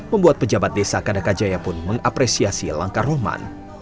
membuat pejabat desa kadakajaya pun mengapresiasi langkah rohman